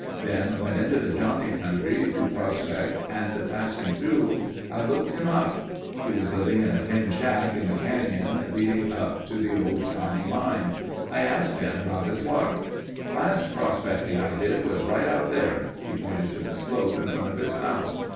Ben went into the Johnnie country to prospect and passing through I looked him up. He was living in a tin shack in the canyon leading to the old Johnnie Mine. I asked Ben about his luck. "Last prospecting I did was right out there." He pointed to the slope in front of his house.